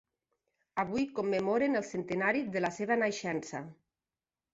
Avui commemorem el centenari de la seva naixença.